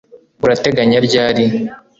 Urateganya ryari